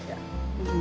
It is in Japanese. うん。